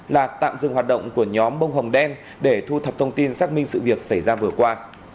là tạm dừng hoạt động của nhóm bông hồng đen để thu thập thông tin xác minh sự việc xảy ra vừa qua